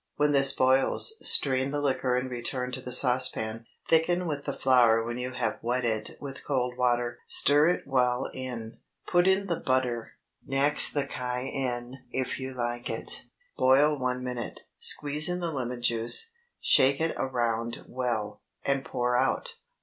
When this boils, strain the liquor and return to the saucepan. Thicken with the flour when you have wet it with cold water; stir it well in; put in the butter, next the cayenne (if you like it), boil one minute; squeeze in the lemon juice, shake it around well, and pour out.